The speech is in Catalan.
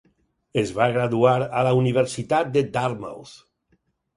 Es va graduar a la universitat de Dartmouth.